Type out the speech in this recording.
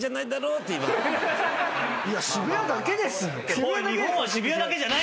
いや渋谷だけですよ！